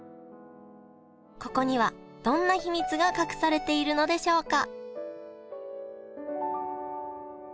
ここにはどんな秘密が隠されているのでしょうか？